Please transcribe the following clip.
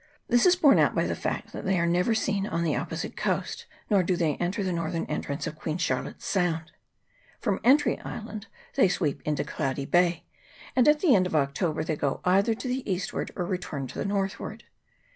This is borne out by the fact that they are never seen on the opposite coast, nor do they enter the northern entrance of Queen Char lotte's Sound. From Entry Island they sweep into Cloudy Bay, and at the end of October they go either to the eastward or return to the northward.